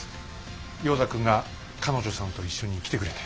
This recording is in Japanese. ヨーダ君が彼女さんと一緒に来てくれて。